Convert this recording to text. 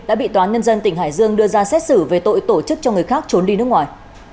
đã bị tòa nhân dân tỉnh hải dương đưa ra xét xử về tội tổ chức cho người khác trốn đi nước ngoài